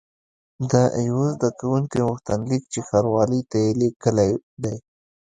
د یوه زده کوونکي غوښتنلیک چې ښاروالۍ ته یې لیکلی دی.